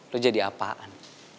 lu jadi apaan